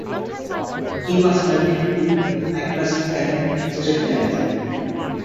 He was married to actress Helen Strickland.